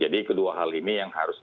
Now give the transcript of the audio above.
jadi ini adalah hal yang harus diatur